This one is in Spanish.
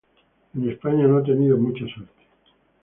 En España no ha tenido mucha suerte.